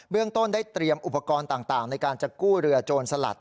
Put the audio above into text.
เรื่องต้นได้เตรียมอุปกรณ์ต่างในการจะกู้เรือโจรสลัด